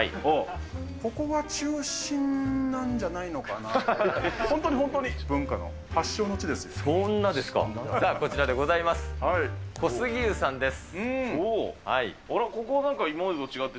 ここが中心なんじゃないのかなって。